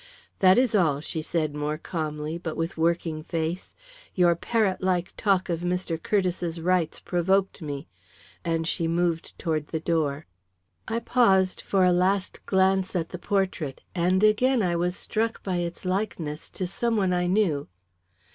"That is all," she said more calmly, but with working face. "Your parrot like talk of Mr. Curtiss's rights provoked me," and she moved toward the door. I paused for a last glance at the portrait, and again I was struck by its likeness to some one I knew.